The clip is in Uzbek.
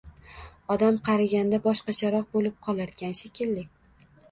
Odam qariganda boshqacharoq bo`lib qolarkan, shekilli